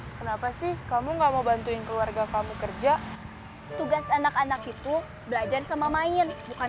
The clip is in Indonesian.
kenapa sih kamu nggak mau bantuin keluarga kamu kerja tugas anak anak itu belajar sama main bukan